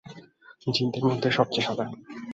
জিনদের মধ্যে সবচেয়ে সাদা।